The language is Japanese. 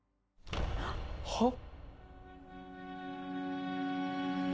はっ！